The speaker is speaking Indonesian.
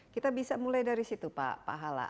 kita bisa mulai dari situ pak hala